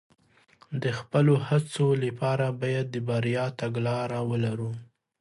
د خپلو هڅو لپاره باید د بریا تګلاره ولرو.